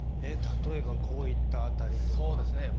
例えばこういった辺りとか。